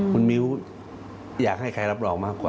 คุณมิ้วอยากให้ใครรับรองมากกว่า